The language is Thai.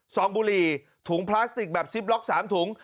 องบุหรี่ถุงพลาสติกแบบซิปล็อก๓ถุง